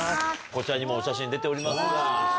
こちらにもお写真出ております。